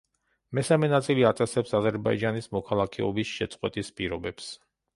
მესამე ნაწილი აწესებს აზერბაიჯანის მოქალაქეობის შეწყვეტის პირობებს.